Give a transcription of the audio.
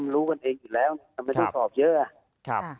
รู้กันเองอยู่แล้วทำไมต้องสอบเยอะ